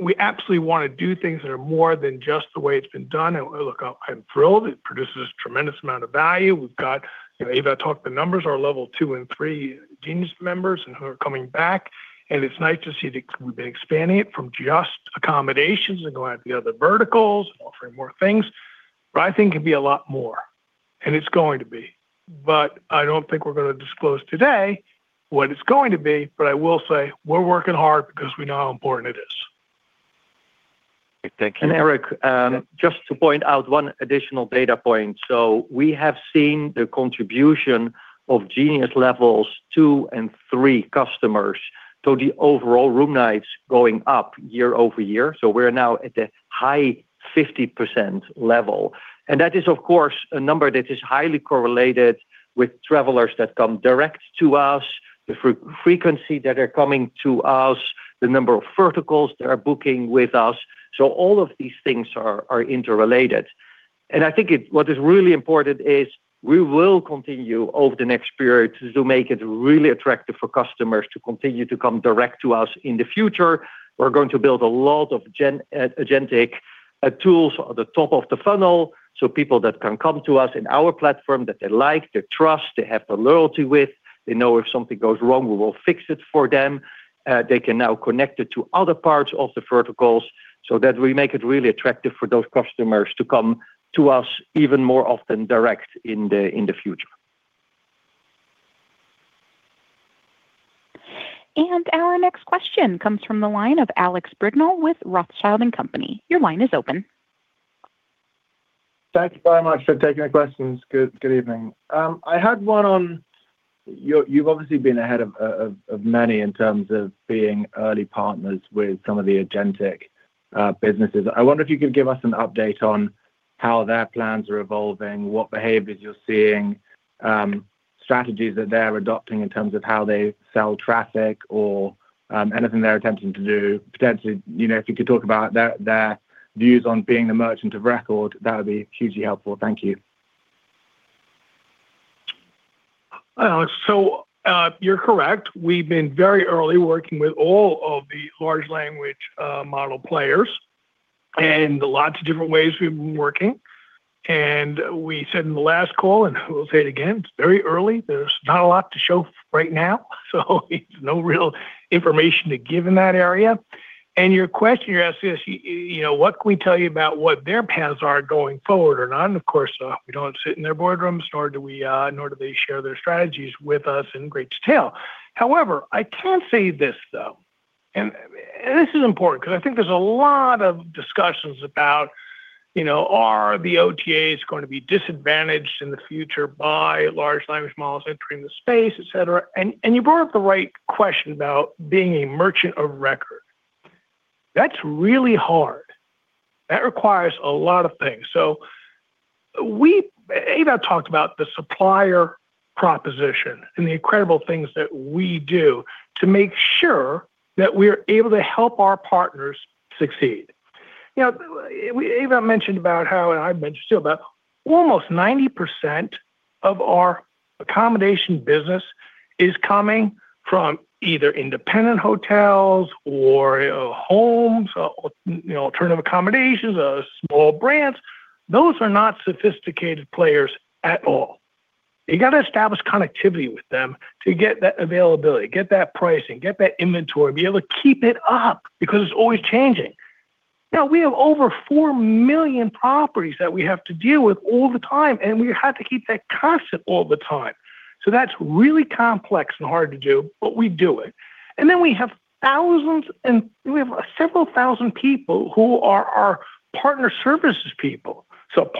We absolutely want to do things that are more than just the way it's been done. And look, I'm thrilled it produces a tremendous amount of value. We've got... You know, Ewout talked the numbers, our level 2 and 3 Genius members and who are coming back, and it's nice to see that we've been expanding it from just accommodations and going out to the other verticals, offering more things. But I think it could be a lot more, and it's going to be. But I don't think we're gonna disclose today what it's going to be, but I will say we're working hard because we know how important it is. Thank you. Eric, just to point out one additional data point. So we have seen the contribution of Genius levels 2 and 3 customers to the overall room nights going up year-over-year. So we're now at the high 50% level. And that is, of course, a number that is highly correlated with travelers that come direct to us, the frequency that are coming to us, the number of verticals that are booking with us. So all of these things are interrelated.... I think it, what is really important is we will continue over the next period to make it really attractive for customers to continue to come direct to us in the future. We're going to build a lot of agentic tools on the top of the funnel, so people that can come to us in our platform, that they like, they trust, they have a loyalty with, they know if something goes wrong, we will fix it for them. They can now connect it to other parts of the verticals, so that we make it really attractive for those customers to come to us even more often direct in the future. Our next question comes from the line of Alex Brignall with Rothschild & Co. Your line is open. Thank you very much for taking my questions. Good evening. I had one on—you've obviously been ahead of many in terms of being early partners with some of the agentic businesses. I wonder if you could give us an update on how their plans are evolving, what behaviors you're seeing, strategies that they're adopting in terms of how they sell traffic or anything they're attempting to do. Potentially, you know, if you could talk about their views on being the merchant of record, that would be hugely helpful. Thank you. Alex, so, you're correct. We've been very early working with all of the large language model players, and lots of different ways we've been working. And we said in the last call, and we'll say it again, it's very early. There's not a lot to show right now, so there's no real information to give in that area. And your question, you're asking us, you know, what can we tell you about what their plans are going forward or not? And of course, we don't sit in their boardrooms, nor do we, nor do they share their strategies with us in great detail. However, I can say this, though, and this is important because I think there's a lot of discussions about, you know, are the OTAs going to be disadvantaged in the future by large language models entering the space, etc.? you brought up the right question about being a merchant of record. That's really hard. That requires a lot of things. So, Ewout talked about the supplier proposition and the incredible things that we do to make sure that we're able to help our partners succeed. You know, Ewout mentioned about how, and I've mentioned too, about almost 90% of our accommodation business is coming from either independent hotels or homes or you know, alternative accommodations or small brands. Those are not sophisticated players at all. You got to establish connectivity with them to get that availability, get that pricing, get that inventory, be able to keep it up because it's always changing. Now, we have over four million properties that we have to deal with all the time, and we have to keep that constant all the time. That's really complex and hard to do, but we do it. Then we have thousands, and we have several thousand people who are our partner services people.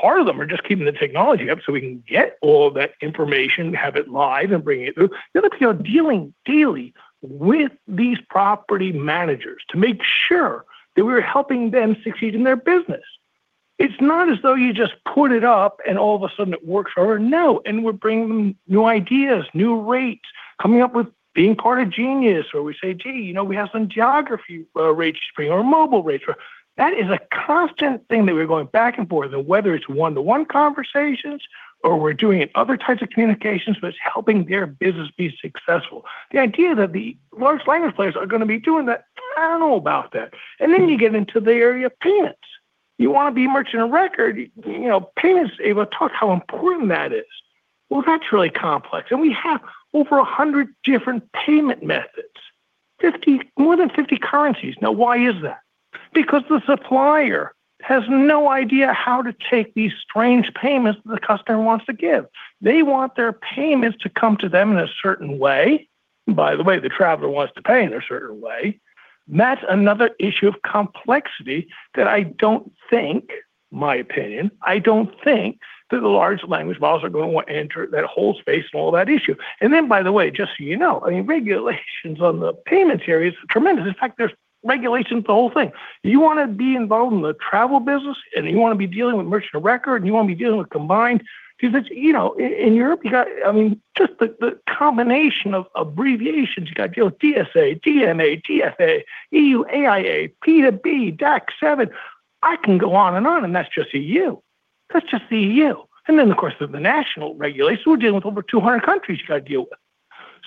Part of them are just keeping the technology up so we can get all that information, have it live, and bring it through. The other thing, we are dealing daily with these property managers to make sure that we're helping them succeed in their business. It's not as though you just put it up and all of a sudden it works for her. No, and we're bringing them new ideas, new rates, coming up with being part of Genius, where we say, "Gee, you know, we have some great rates for you or mobile rates." That is a constant thing that we're going back and forth, and whether it's one-to-one conversations or we're doing it other types of communications, but it's helping their business be successful. The idea that the large language players are gonna be doing that, I don't know about that. And then you get into the area of payments. You want to be merchant of record, you know, payments, Ewout talked how important that is. Well, that's really complex, and we have over 100 different payment methods, more than 50 currencies. Now, why is that? Because the supplier has no idea how to take these strange payments that the customer wants to give. They want their payments to come to them in a certain way. By the way, the traveler wants to pay in a certain way. That's another issue of complexity that I don't think, my opinion, I don't think that the large language models are going to enter that whole space and all that issue. And then, by the way, just so you know, I mean, regulations on the payments area is tremendous. In fact, there's regulations the whole thing. You want to be involved in the travel business, and you want to be dealing with merchant of record, and you want to be dealing with combined? Because, you know, in Europe, you got, I mean, just the, the combination of abbreviations. You got to deal with DSA, DMA, DSA, EU, AIA, P to B, DAC7. I can go on and on, and that's just EU. That's just the EU. And then, of course, there's the national regulations. We're dealing with over 200 countries you got to deal with.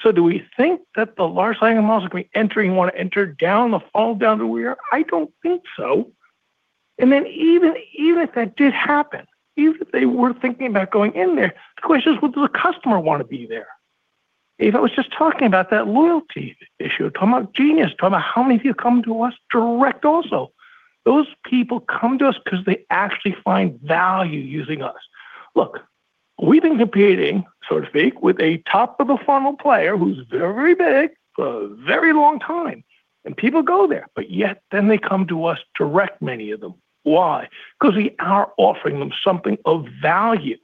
So do we think that the large language models are going to be entering, want to enter down the... all down to where? I don't think so. And then even, even if that did happen, even if they were thinking about going in there, the question is, would the customer want to be there? Ewout was just talking about that loyalty issue, talking about Genius, talking about how many people come to us direct also. Those people come to us because they actually find value using us. Look, we've been competing, so to speak, with a top-of-the-funnel player who's very big for a very long time, and people go there, but yet then they come to us direct, many of them. Why? Because we are offering them something of value.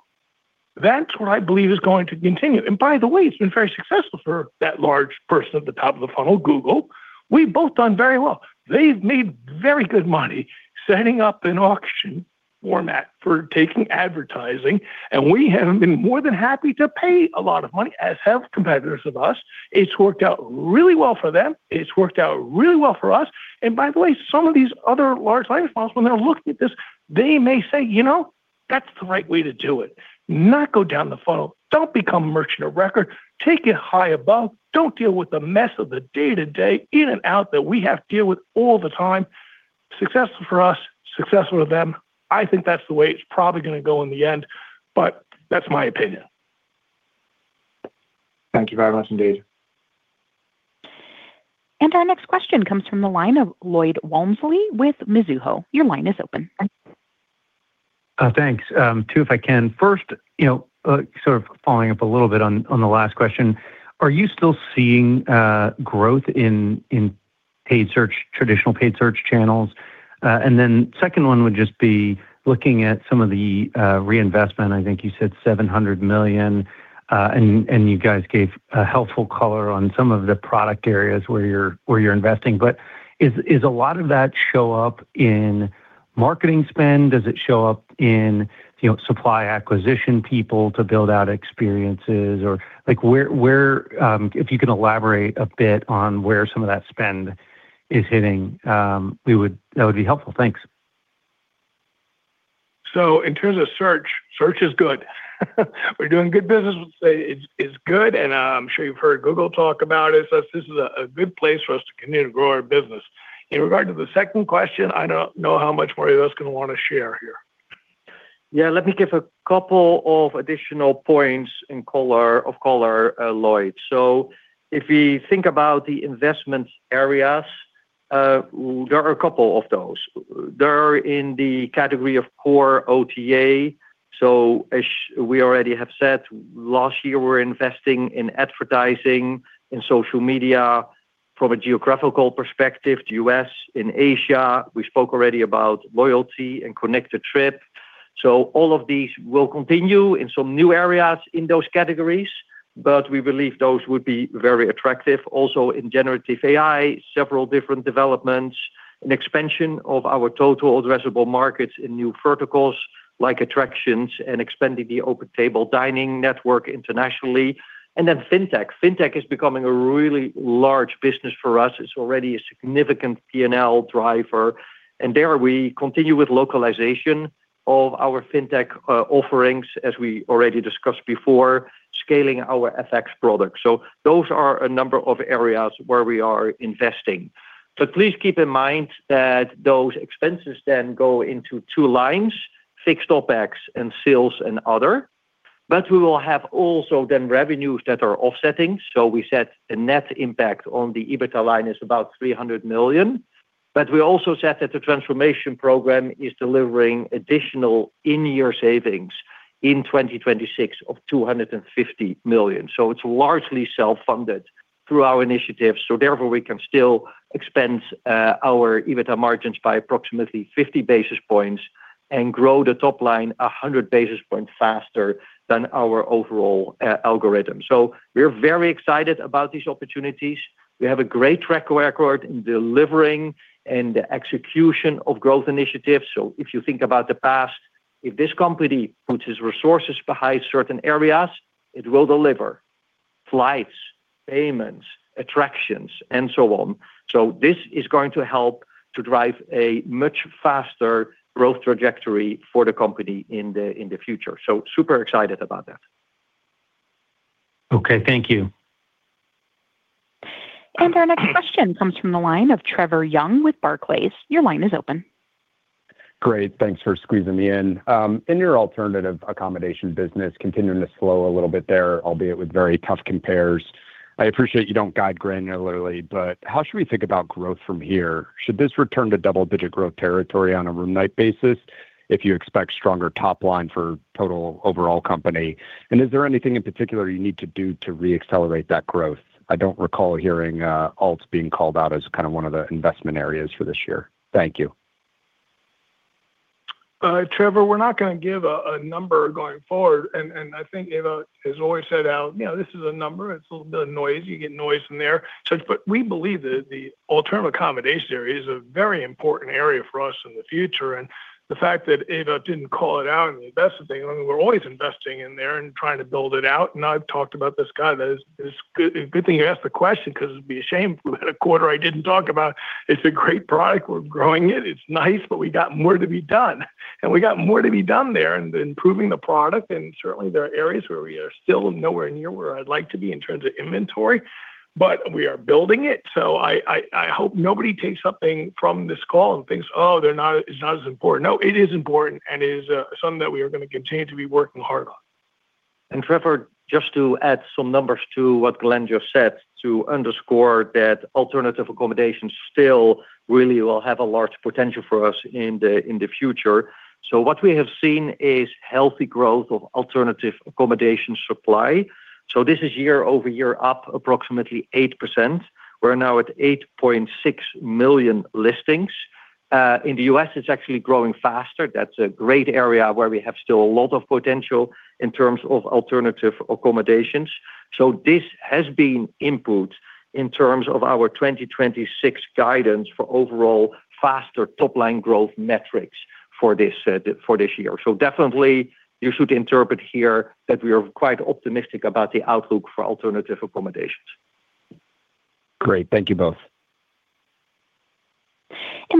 That's what I believe is going to continue. And by the way, it's been very successful for that large person at the top of the funnel, Google. We've both done very well. They've made very good money setting up an auction format for taking advertising, and we have been more than happy to pay a lot of money, as have competitors of us. It's worked out really well for them. It's worked out really well for us. And by the way, some of these other large language models, when they're looking at this, they may say, "You know?"... That's the right way to do it, not go down the funnel. Don't become merchant of record. Take it high above. Don't deal with the mess of the day-to-day, in and out that we have to deal with all the time. Successful for us, successful to them. I think that's the way it's probably gonna go in the end, but that's my opinion. Thank you very much indeed. And our next question comes from the line of Lloyd Walmsley with Mizuho. Your line is open. Thanks. Two, if I can. First, you know, sort of following up a little bit on the last question, are you still seeing growth in paid search, traditional paid search channels? The second one would just be looking at some of the reinvestment. I think you said $700 million, and you guys gave helpful color on some of the product areas where you're investing. Is a lot of that show up in marketing spend? Does it show up in, you know, supply acquisition people to build out experiences? Like, where, if you can elaborate a bit on where some of that spend is hitting, we would—that would be helpful. Thanks. So in terms of search, search is good. We're doing good business. We'll say it's, it's good, and I'm sure you've heard Google talk about it. So this is a good place for us to continue to grow our business. In regard to the second question, I don't know how much more of Ewout's gonna wanna share here. Yeah, let me give a couple of additional points in color, of color, Lloyd. So if we think about the investment areas, there are a couple of those. They're in the category of core OTA. So as we already have said, last year, we're investing in advertising, in social media. From a geographical perspective, U.S., in Asia, we spoke already about loyalty and Connected Trip. So all of these will continue in some new areas in those categories, but we believe those would be very attractive. Also, in generative AI, several different developments, an expansion of our total addressable markets in new verticals like attractions and expanding the OpenTable dining network internationally, and then Fintech. Fintech is becoming a really large business for us. It's already a significant P&L driver, and there we continue with localization of our Fintech offerings, as we already discussed before, scaling our FX products. So those are a number of areas where we are investing. But please keep in mind that those expenses then go into two lines, fixed OpEx and sales and other. But we will have also then revenues that are offsetting. So we said the net impact on the EBITDA line is about $300 million, but we also said that the transformation program is delivering additional in-year savings in 2026 of $250 million. So it's largely self-funded through our initiatives, so therefore, we can still expand our EBITDA margins by approximately 50 basis points and grow the top line 100 basis points faster than our overall algorithm. So we're very excited about these opportunities. We have a great track record in delivering and the execution of growth initiatives. So if you think about the past, if this company puts its resources behind certain areas, it will deliver: flights, payments, attractions, and so on. So this is going to help to drive a much faster growth trajectory for the company in the future. So super excited about that. Okay, thank you. And our next question comes from the line of Trevor Young with Barclays. Your line is open. Great. Thanks for squeezing me in. In your alternative accommodation business, continuing to slow a little bit there, albeit with very tough compares. I appreciate you don't guide granularly, but how should we think about growth from here? Should this return to double-digit growth territory on a room night basis if you expect stronger top line for total overall company? And is there anything in particular you need to do to re-accelerate that growth? I don't recall hearing, alts being called out as kind of one of the investment areas for this year. Thank you. Trevor, we're not gonna give a number going forward, and I think, you know, as Lloyd said out, you know, this is a number, it's a little bit of noise, you get noise in there. So but we believe that the alternative accommodation area is a very important area for us in the future, and the fact that Ewout didn't call it out and invest it, I mean, we're always investing in there and trying to build it out, and I've talked about this, God, that is, it's good, a good thing you asked the question 'cause it'd be a shame if we had a quarter I didn't talk about. It's a great product. We're growing it. It's nice, but we got more to be done, and we got more to be done there and improving the product, and certainly there are areas where we are still nowhere near where I'd like to be in terms of inventory, but we are building it. So I hope nobody takes something from this call and thinks, "Oh, they're not, it's not as important." No, it is important, and it is something that we are gonna continue to be working hard on. Trevor, just to add some numbers to what Glenn just said, to underscore that alternative accommodation still really will have a large potential for us in the, in the future. So what we have seen is healthy growth of alternative accommodation supply. So this is year-over-year, up approximately 8%. We're now at 8.6 million listings. In the U.S., it's actually growing faster. That's a great area where we have still a lot of potential in terms of alternative accommodations. So this has been input in terms of our 2026 guidance for overall faster top-line growth metrics for this, for this year. So definitely you should interpret here that we are quite optimistic about the outlook for alternative accommodations. Great. Thank you both.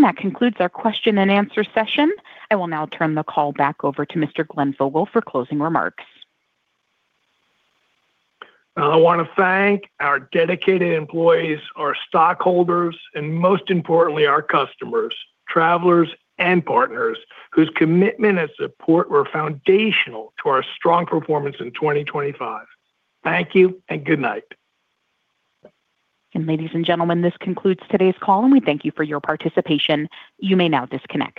That concludes our question and answer session. I will now turn the call back over to Mr. Glenn Fogel for closing remarks. I wanna thank our dedicated employees, our stockholders, and most importantly, our customers, travelers, and partners, whose commitment and support were foundational to our strong performance in 2025. Thank you and good night. Ladies and gentlemen, this concludes today's call, and we thank you for your participation. You may now disconnect.